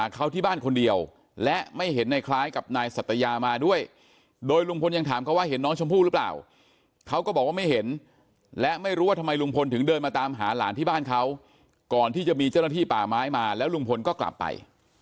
กับนายสัตยามาด้วยโดยลุงพลยังถามเขาว่าเห็นน้องชมพูหรือเปล่าเขาก็บอกว่าไม่เห็นและไม่รู้ว่าทำไมลุงพลถึงเดินมาตามหาหลานที่บ้านเขาก่อนที่จะมีเจ้าหน้าที่ป่าไม้มาแล้วลุงพลก็กลับไป